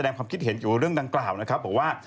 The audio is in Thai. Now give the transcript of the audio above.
อยู่กับเรื่องดังกล่าวนะครับบอกว่า